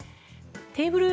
テーブル